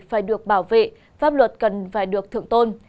phải được bảo vệ pháp luật cần phải được thượng tôn